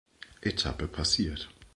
Etappe passiert.